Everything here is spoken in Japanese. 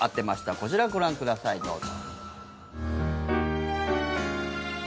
こちらをご覧ください、どうぞ。